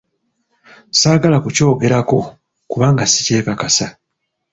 Saagala kukyogerako kubanga sikyekakasa.